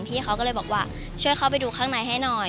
พี่เขาก็เลยบอกว่าช่วยเข้าไปดูข้างในให้หน่อย